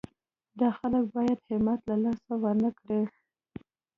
دا خلک باید همت له لاسه ورنه کړي.